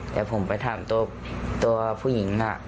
แต่ผมไปถามตัวผู้หญิงน่ะ